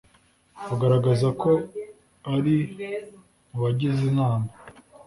ugaragaza ko ari mu bagize inama